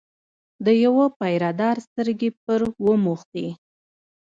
د یوه پیره دار سترګې پر وموښتې.